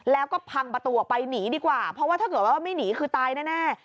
แล้วก็พังประตูออกไปหนีดีกว่าเพราะว่าถ้าเกิดว่าไม่หนีคือตายแน่